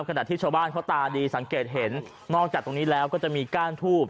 ขณะที่ชาวบ้านเขาตาดีสังเกตเห็นนอกจากตรงนี้แล้วก็จะมีก้านทูบ